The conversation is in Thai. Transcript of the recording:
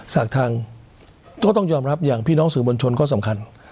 ทางก็ต้องยอมรับอย่างพี่น้องสื่อมวลชนก็สำคัญ